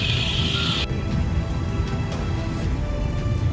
สวัสดีครับคุณผู้ชาย